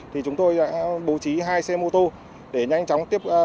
thì chúng tôi đã bố trí hai xe mô tô để nhanh chóng tiếp